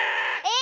え！